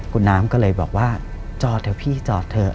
คุณน้ำก็เลยบอกว่าจอดเถอะพี่จอดเถอะ